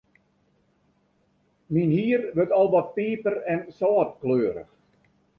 Myn hier wurdt al wat piper-en-sâltkleurich.